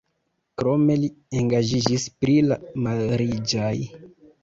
Krome li engaĝiĝis pri la malriĝaj.